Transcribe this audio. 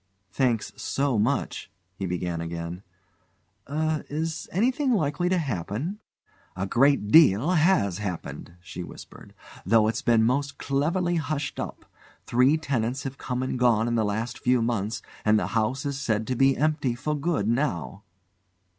"Thanks so much," he said again. "Er is anything likely to happen?" "A great deal has happened," she whispered, "though it's been most cleverly hushed up. Three tenants have come and gone in the last few months, and the house is said to be empty for good now."